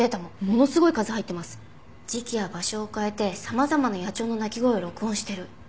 時期や場所を変えて様々な野鳥の鳴き声を録音してる。